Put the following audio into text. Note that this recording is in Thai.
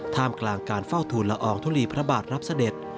ท่ามกลางการเฝ้าทูลละอองทุลีพระบาทรับเสด็จ